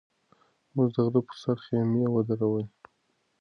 موږ د غره په سر خیمې ودرولې.